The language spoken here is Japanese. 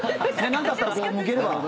何かあったらこう向ければ。